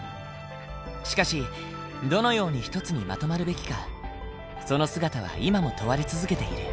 しかしどのように一つにまとまるべきかその姿は今も問われ続けている。